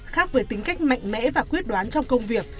khác với tính cách mạnh mẽ và quyết đoán trong công việc